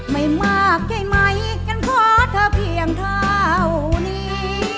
ไม่มากใช่ไหมฉันขอเธอเพียงเท่านี้